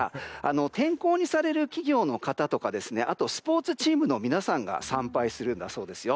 天候に左右される企業の方とかあと、スポーツチームの皆さんが参拝するんだそうですよ。